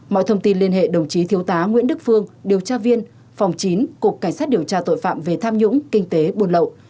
mọi thông tin liên hệ đồng chí thiếu tá nguyễn đức phương điều tra viên phòng chín cục cảnh sát điều tra tội phạm về tham nhũng kinh tế buôn lậu